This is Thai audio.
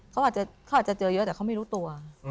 เขาอาจจะเจอเยอะแต่เขาไม่รู้ตัว